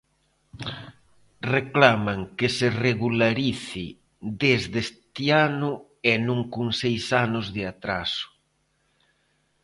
Reclaman que se regularice desde este ano e non con seis anos de atraso.